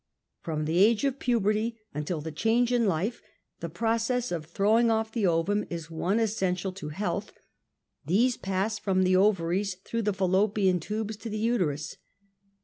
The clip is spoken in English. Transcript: From the age'oT"puberty, until the change in life, the process •of throwing off the ovum is one essential to health; these pass from the ovaries through the fallopian tubes to the uterus.